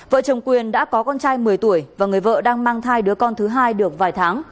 vợ chồng quyền đã có con trai một mươi tuổi và người vợ đang mang thai đứa con thứ hai được vài tháng